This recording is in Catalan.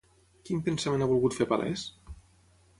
Quin pensament ha volgut fer palès?